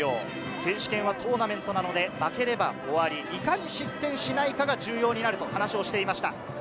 選手権はトーナメントなので、負ければ終わり、いかに失点しないかが重要になると話をしていました。